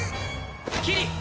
キリ！